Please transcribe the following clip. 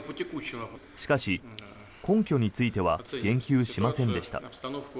しかし、根拠については言及しませんでした。